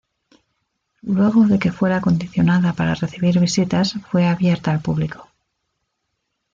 Luego de que fuera acondicionada para recibir visitas fue abierta al público.